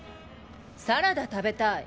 サラダ食べたい。